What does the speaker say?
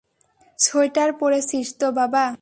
Sweater পড়েছিস তো বাবা?